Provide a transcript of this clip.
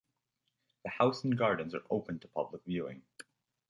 The house and gardens are open to public viewing.